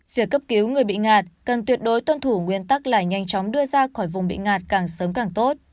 việc cấp cứu người bị ngạt cần tuyệt đối tuân thủ nguyên tắc là nhanh chóng đưa ra khỏi vùng bị ngạt càng sớm càng tốt